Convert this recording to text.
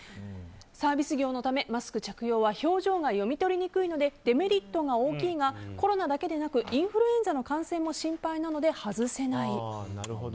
サービス業のためマスク着用は表情が読み取りにくいのでデメリットが大きいがコロナだけでなくインフルエンザの感染も心配なので外せない。